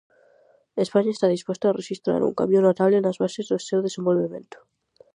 España está disposta a rexistrar un cambio notable nas bases do seu desenvolvemento.